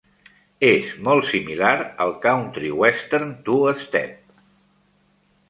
És molt similar al country-western two-step.